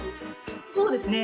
そうですね。